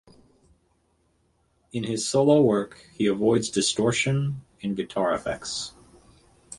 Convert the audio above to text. In his solo work, he avoids distortion and guitar effects.